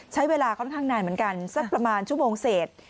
ใช้เวลาค่อนข้างนานเหมือนกันสักประมาณชั่วโมงเศษ